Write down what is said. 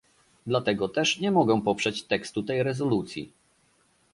Dlatego też nie mogę poprzeć tekstu tej rezolucji